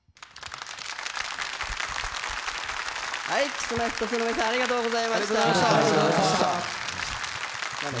Ｋｉｓ−Ｍｙ−Ｆｔ２の皆さん、ありがとうございました。